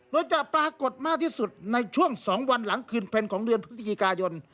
โดยจะปรากฏมากที่สุดในช่วง๒วันหลังคืนเป็นของเดือนพฤศจิกายน